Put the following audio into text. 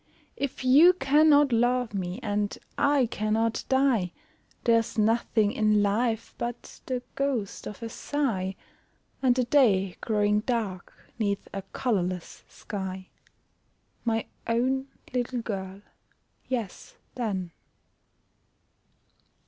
If you cannot love me and I cannot die There's nothing in life but the ghost of a sigh, And the day growing dark 'neath a colourless sky; My own little girl, yes then.